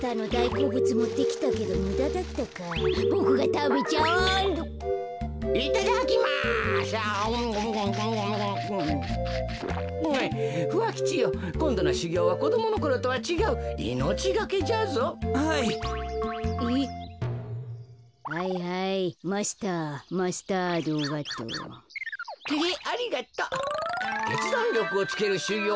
けつだんりょくをつけるしゅぎょう